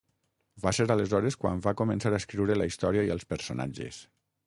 Va ser aleshores quan va començar a escriure la història i els personatges.